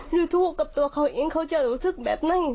หรือถูกกับตัวเขาเองเขาจะรู้ซึกแบบไง